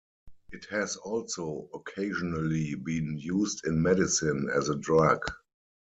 It has also occasionally been used in medicine as a drug.